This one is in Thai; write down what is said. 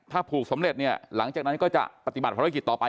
ถ้าผูกสำเร็จหลังจากนั้นก็จะปฏิบัติพัฒนธุรกิจต่อไป